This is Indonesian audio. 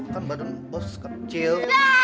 kan badan bos kecil